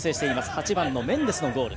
８番、メンデスのゴール。